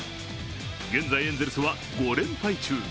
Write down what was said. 現在、エンゼルスは５連敗中。